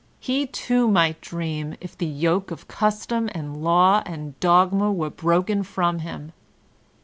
He too might dream if the yoke of custom and law and dogma were broken from him.